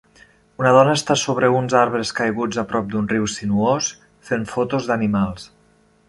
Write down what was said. Una dona està sobre uns arbres caiguts a prop d"un riu sinuós, fent fotos d"animals.